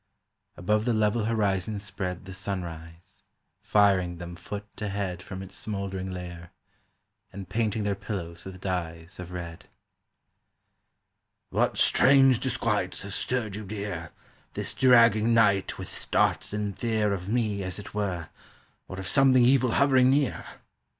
Above the level horizon spread The sunrise, firing them foot to head From its smouldering lair, And painting their pillows with dyes of red. "What strange disquiets have stirred you, dear, This dragging night, with starts in fear Of me, as it were, Or of something evil hovering near?"